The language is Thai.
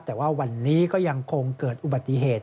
แต่ว่าวันนี้ก็ยังคงเกิดอุบัติเหตุ